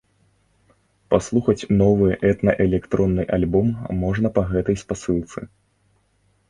Паслухаць новы этна-электронны альбом можна па гэтай спасылцы.